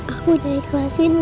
aku udah ikhlasin mu